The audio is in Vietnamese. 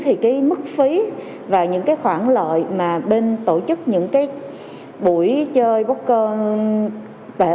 thì cái mức phí và những cái khoản lợi mà bên tổ chức những cái buổi chơi booker